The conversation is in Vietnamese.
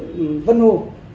huyện vân hồ